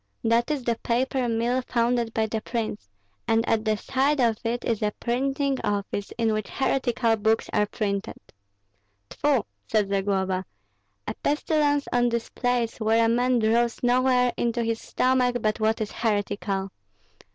"That is the paper mill founded by the prince; and at the side of it is a printing office, in which heretical books are printed." "Tfu!" said Zagloba; "a pestilence on this place, where a man draws no air into his stomach but what is heretical!